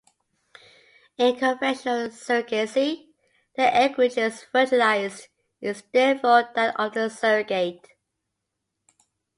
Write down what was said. In conventional surrogacy, the egg which is fertilized is therefore that of the surrogate.